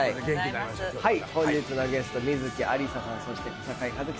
本日のゲスト観月ありささんそして小堺一機さんでした。